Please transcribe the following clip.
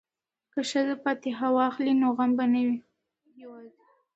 که ښځې فاتحه واخلي نو غم به نه وي یوازې.